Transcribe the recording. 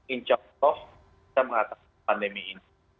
in charge of mengatasi pandemi ini